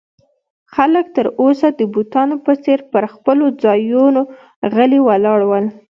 خلک تر اوسه د بتانو په څېر پر خپلو ځایو غلي ولاړ ول.